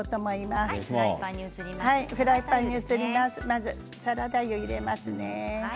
まずサラダ油、入れますね。